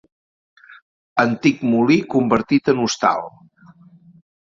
Antic molí convertit en hostal.